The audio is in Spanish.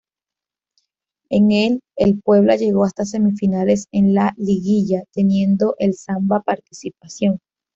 En el el Puebla llegó hasta semifinales en la liguilla, teniendo el "Samba" participación.